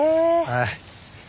はい。